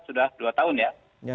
sudah dua tahun ya